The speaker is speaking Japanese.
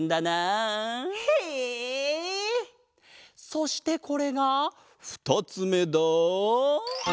そしてこれがふたつめだ！